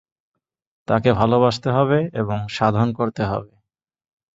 তাঁকে ভালবাসতে হবে এবং সাধন করতে হবে।